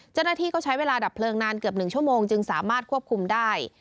เจ้าหน้าที่ก็ใช้เวลาดับเพลิงนานเกือบ๑ชั่วโมงจึงสามารถควบคุมได้